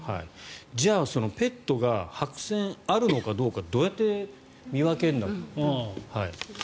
じゃあ、ペットが白せん、あるのかどうかどうやって見分けるんだって。